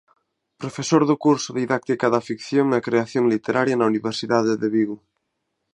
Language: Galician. Profesor do curso "Didáctica da ficción e Creación Literaria" na Universidade de Vigo".